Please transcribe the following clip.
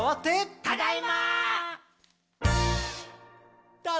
ただいま！